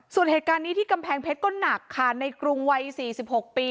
ส่วนเหตุการณ์นี้ที่กำแพงเพชรก็หนักค่ะในกรุงวัย๔๖ปี